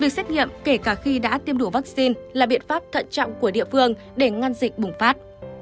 việc xét nghiệm kể cả khi đã tiêm đủ vaccine là biện pháp thận trọng của địa phương để ngăn dịch bùng phát